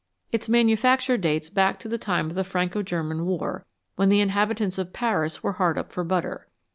Its manufacture dates back to the time of the Franco German war, when the inhabi tants of Paris were hard up for butter.